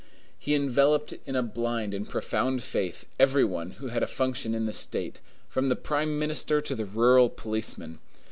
He enveloped in a blind and profound faith every one who had a function in the state, from the prime minister to the rural policeman.